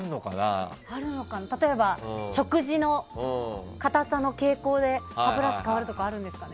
例えば、食事の硬さの傾向で歯ブラシが変わるとかあるんですかね？